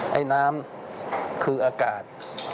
เมื่อน้ำคืออากาศ